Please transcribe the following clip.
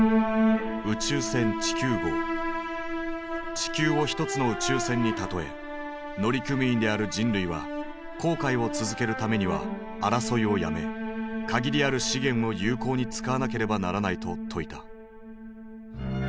地球を一つの宇宙船に例え乗組員である人類は航海を続けるためには争いをやめ限りある資源を有効に使わなければならないと説いた。